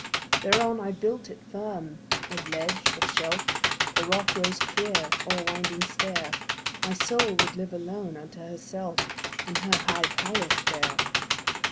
Thereon I built it firm. Of ledge or shelf The rock rose clear, or winding stair. My soul would live alone unto herself In her high palace there.